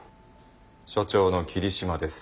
署長の桐島です。